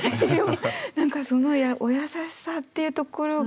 何かそのお優しさっていうところが。